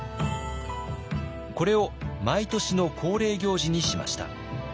これを毎年の恒例行事にしました。